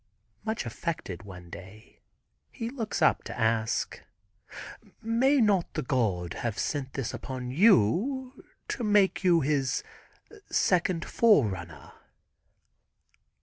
Much affected one day, he looks up to ask: "May not he the God have sent this upon you to make you his second forerunner?"